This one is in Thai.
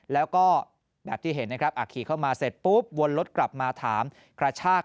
แล้วก็แบบที่เห็นนะครับขี่เข้ามาเสร็จปุ๊บวนรถกลับมาถามกระชาก